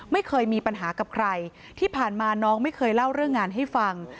ไม่เคยมีปัญหากับใครที่ผ่านมาน้องไม่เคยเล่าเรื่องงานให้ฟัง